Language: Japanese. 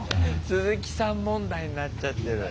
すずきさん問題になっちゃってる。